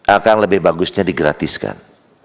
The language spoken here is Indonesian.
akan lebih bagusnya digratiskan